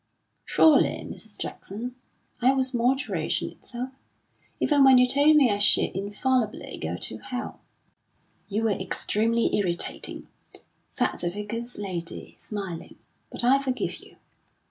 "Surely, Mrs. Jackson, I was moderation itself? even when you told me I should infallibly go to Hell." "You were extremely irritating," said the Vicar's lady, smiling, "but I forgive you.